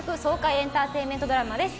エンターテインメントドラマです。